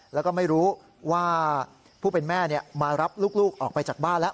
แล้วก็ไม่รู้ว่าผู้เป็นแม่มารับลูกออกไปจากบ้านแล้ว